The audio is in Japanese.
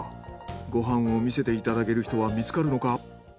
ご飯を見せていただける人は見つかるのか。